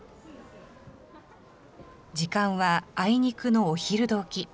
時間はあいにくのお昼どき。